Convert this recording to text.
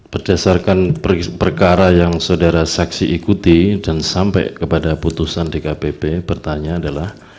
berdasarkan perkara yang saudara saksi ikuti dan sampai kepada putusan dkpp bertanya adalah